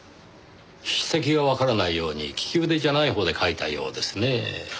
筆跡がわからないように利き腕じゃないほうで書いたようですねぇ。